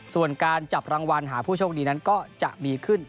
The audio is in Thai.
ส่วนการจับรางวัลหาผู้โชคดีนั้นก็จะมีขึ้น